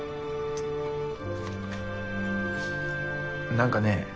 何かねぇ？